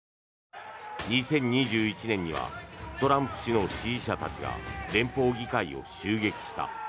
２０２１年にはトランプ氏の支持者たちが連邦議会を襲撃した。